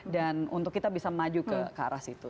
dan untuk kita bisa maju ke arah situ